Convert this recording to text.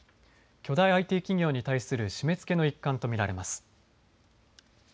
巨大ＩＴ企業に対する締めつけの一環と見られます。